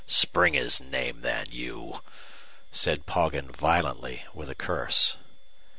"Spring his name, then, you " said Poggin, violently, with a curse.